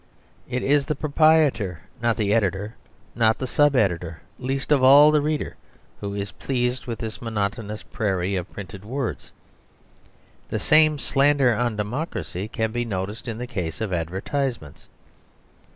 It is the proprietor, not the editor, not the sub editor, least of all the reader, who is pleased with this monotonous prairie of printed words. The same slander on democracy can be noticed in the case of advertisements.